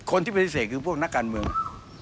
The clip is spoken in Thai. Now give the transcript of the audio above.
คนที่ปฏิเสธคือพวกนักการเมือง